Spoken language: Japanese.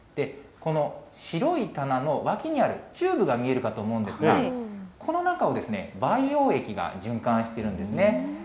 この白い棚の脇にあるチューブが見えるかと思うんですが、この中を培養液が循環してるんですね。